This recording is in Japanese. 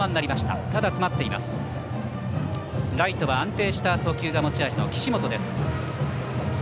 ライトは安定した送球が持ち味岸本です。